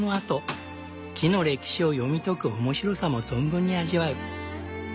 木の歴史を読み解く面白さも存分に味わう。